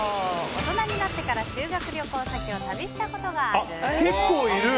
大人になってから修学旅行先を旅したことがある？